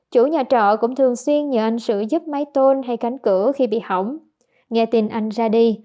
chủ nhà trọ cũng thường xuyên nhờ anh sử giúp máy tôn hay cánh cửa khi bị hỏng nghe tin anh ra đi